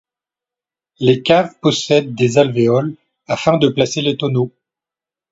Les caves possèdent des alvéoles afin de placer les tonneaux.